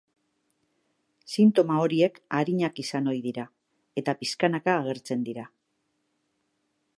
Sintoma horiek arinak izan ohi dira, eta pixkanaka agertzen dira.